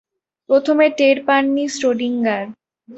প্রথমে টের পাননি শ্রোডিঙ্গার।